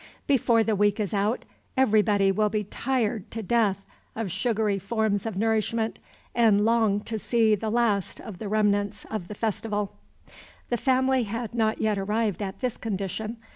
Before the week is out, everybody will be tired to death of sugary forms of nourishment and long to see the last of the remnants of the festival. The family had not yet arrived at this condition.